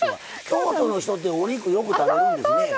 京都の人ってお肉よく食べるんですね。